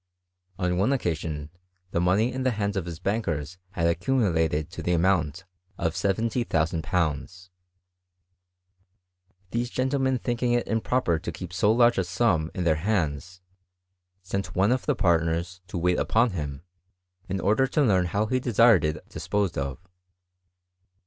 On one occasion, the money in the hands of his bank €HEinSTBr IS GREAT BRITAIS. 337 «rs had accumulated to the amount of i70.000. These gentlemen thinking it improper to keep so lac^ a sum in their hands, sent one of the partners to wait upon liim, in order to learn how he desired it disposed of.